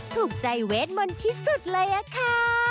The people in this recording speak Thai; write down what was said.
ถูกใจเวทมนต์ที่สุดเลยอะค่ะ